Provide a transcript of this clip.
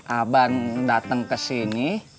abang dateng ke sini